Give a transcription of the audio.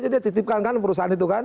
dia titipkan kan perusahaan itu kan